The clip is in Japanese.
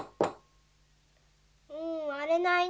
うんわれないなぁ。